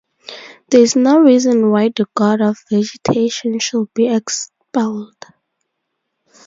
There is no reason why the god of vegetation should be expelled.